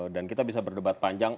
dan kita bisa berdebat panjang